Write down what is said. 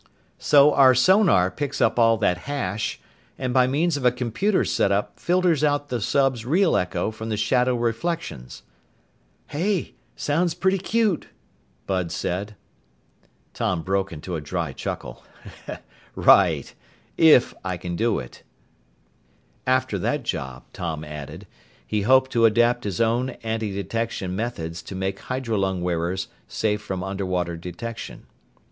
"So our sonar picks up all that hash, and by means of a computer setup filters out the sub's real echo from the shadow reflections." "Hey! Sounds pretty cute," Bud said. Tom broke into a dry chuckle. "Right if I can do it." After that job, Tom added, he hoped to adapt his own antidetection methods to make hydrolung wearers safe from underwater detection.